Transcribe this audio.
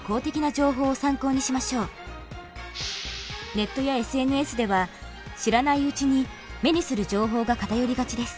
ネットやＳＮＳでは知らないうちに目にする情報が偏りがちです。